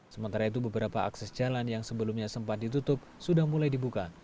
sementara itu beberapa akses jalan yang sebelumnya sempat ditutup sudah mulai dibuka